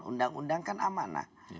undang undang kan amanah